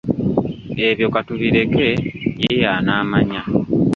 Ebyo katubireke ye y'anaamanya.